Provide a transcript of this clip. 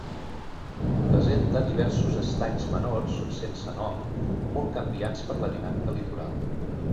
Presenta diversos estanys menors, sense nom, molt canviants per la dinàmica litoral.